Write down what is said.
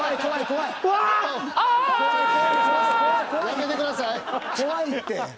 怖いって。